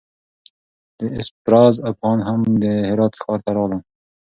د اسفزار افغانان هم د هرات ښار ته راغلل.